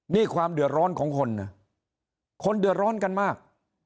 นี่ความเดือดร้อนของคนนะคนเดือดร้อนกันมาก